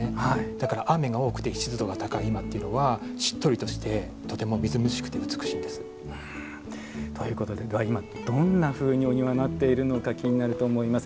だから、雨が多くて湿度が高い今というのはしっとりとしてとてもみずみずしくて美しいんでということで、今どんなふうなお庭になっているのか気になると思います。